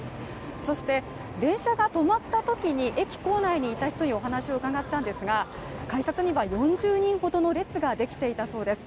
そして電車が止まったときに駅構内にいた人にお話を伺ったんですが改札には４０人ほどの列ができていたそうです。